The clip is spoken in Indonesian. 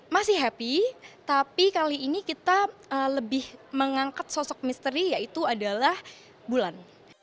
masih happy tapi kali ini kita lebih mengangkat sosok misteri yaitu adalah bulan